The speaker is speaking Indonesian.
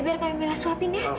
biar kami mila suapin ya